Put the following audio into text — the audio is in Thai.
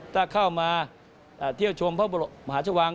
ถ้าเข้ามาเที่ยวชมพระบรมหาชวัง